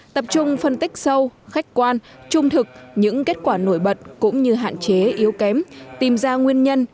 tập trung phân tích sâu khách quan trung thực những kết quả nổi bật cũng như hạn chế yếu kém tìm ra nguyên nhân